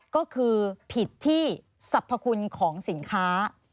ก็คือผิดที่สรรพคุณของสินค้า